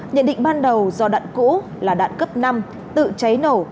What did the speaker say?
nhận định ban đầu do đạn cũ là đạn cấp năm tự cháy nổ